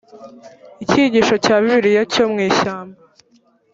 icyigisho cya bibiliya cyo mu ishyamba